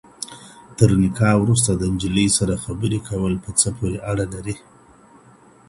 تر نکاح وروسته د نجلۍ سره خبرې کول په څه پورې اړه لري؟